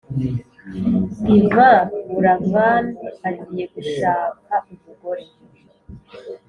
Yvan buravan agiye gushak umugore